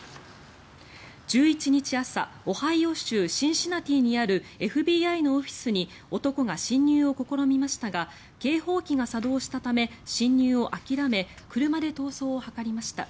１１日朝オハイオ州シンシナティにあるＦＢＩのオフィスに男が侵入を試みましたが警報機が作動したため侵入を諦め車で逃走を図りました。